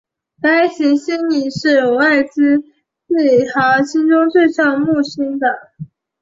该行星是已知系外行星中最像木星的。